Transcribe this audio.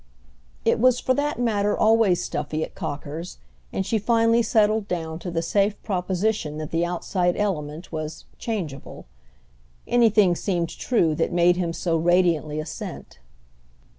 It was for that matter always stuffy at Cocker's, and she finally settled down to the safe proposition that the outside element was "changeable." Anything seemed true that made him so radiantly assent.